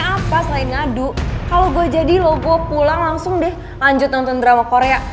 sampai jumpa di video selanjutnya